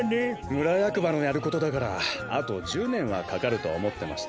むらやくばのやることだからあと１０ねんはかかるとおもってましたよ。